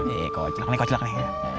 iya kau celak nih kau celak nih